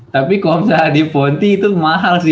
tapi kalo misalnya di ponti itu mahal sih